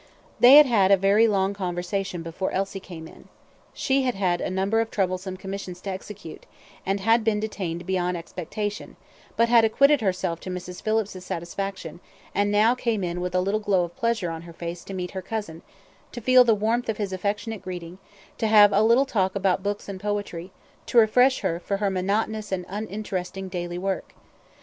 They had had a very long conversation before Elsie came in. She had had a number of troublesome commissions to execute, and had been detained beyond expectation, but had acquitted herself to Mrs. Phillips's satisfaction, and now came in with a little glow of pleasure on her face to meet her cousin, to feel the warmth of his affectionate greeting, to have a little talk about books and poetry, to refresh her for her monotonous and uninteresting daily work.